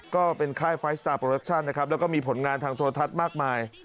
ก็เป็นค่ายไฟล์สตาร์โปรดักชั่นนะครับแล้วก็มีผลงานทางโทรทัศน์มากมาย